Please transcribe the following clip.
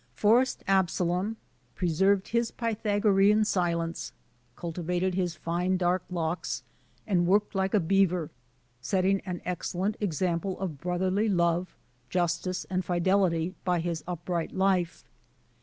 Forest Absalom preserved his Pythagorean silence, cultivated his fine dark locks, and worked like a beaver, setting an excellent example of brotherly love, justice, and fidelity by his up right life.